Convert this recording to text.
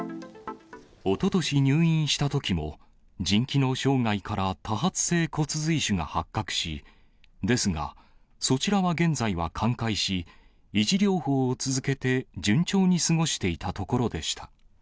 おととし入院したときも、腎機能障害から多発性骨髄腫が発覚し、ですが、そちらは現在は寛解し、維持療法を続けて順調に過ごしていたところでした。